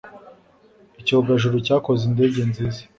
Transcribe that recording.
Icyogajuru cyakoze indege nziza.